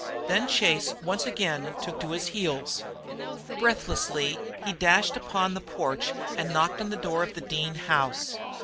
Then Chase once again took to his heels. Breathlessly he dashed upon the porch and knocked on the door of the Dean house.